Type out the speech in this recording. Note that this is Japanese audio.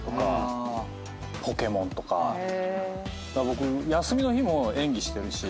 僕休みの日も演技してるし。